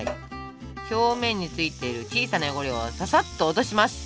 表面についてる小さな汚れをささっと落とします。